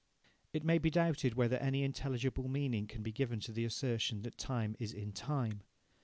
It may be doubted whether any intelligible meaning can be given to the assertion that time is in time.